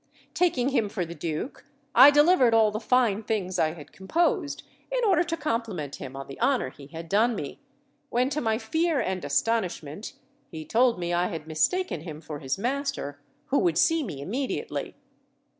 Taking him for the duke, I delivered all the fine things I had composed, in order to compliment him on the honour he had done me; when to my fear and astonishment, he told me I had mistaken him for his master, who would see me immediately.